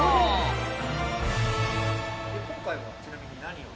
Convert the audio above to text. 今回はちなみに何を？